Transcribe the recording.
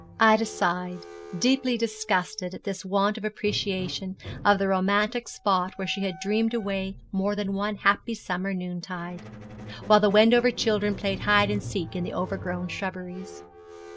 Ida sighed, deeply disgusted at this want of appreciation of the romantic spot where she had dreamed away more than one happy summer noontide, while the Wendover children played hide and seek in the overgrown old shrubberies.